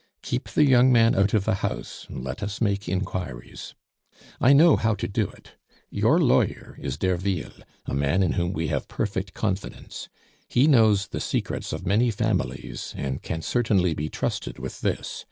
Keep the young man out of the house, and let us make inquiries "I know how to do it. Your lawyer is Derville, a man in whom we have perfect confidence; he knows the secrets of many families, and can certainly be trusted with this.